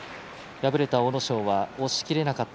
敗れた阿武咲は押しきれなかった。